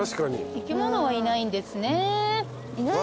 生き物はいないんですね。